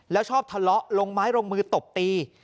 แล้วชอบทะเลาะลงไม้ลงมือตบตี